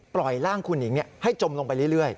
ปล่อยร่างคุณหนิงให้จมลงไปเรื่อย